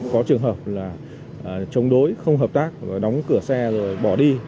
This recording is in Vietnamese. có trường hợp là chống đối không hợp tác và đóng cửa xe rồi bỏ đi